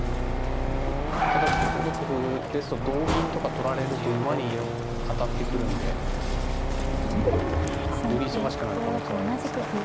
ただ５六歩ですと同銀とか取られると馬に当たってくるんでより忙しくなる可能性はあるんですが。